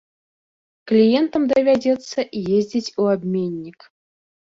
Кліентам давядзецца ездзіць у абменнік.